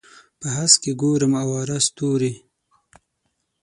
په هسک کې ګورم اواره ستوري